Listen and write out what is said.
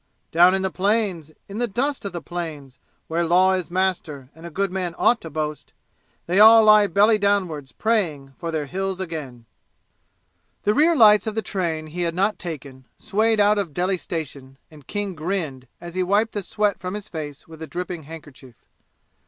Down in the plains, in the dust of the plains Where law is master and a good man ought to boast, They all lie belly downwards praying for their Hills again! The rear lights of the train he had not taken swayed out of Delhi station and King grinned as he wiped the sweat from his face with a dripping handkerchief.